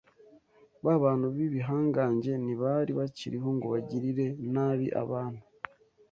Ba bantu b’ibihangange ntibari bakiriho ngo bagirire nabi abantu.